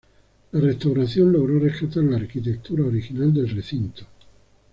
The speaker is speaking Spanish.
La restauración logró rescatar la arquitectura original del recinto.